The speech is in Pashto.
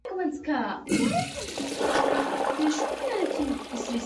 د غرۀ څُوكه چې اواره شان وي هغې ته څپرے وائي۔